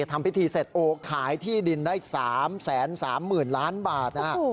ทำพิธีเสร็จโอ้ขายที่ดินได้๓๓๐๐๐ล้านบาท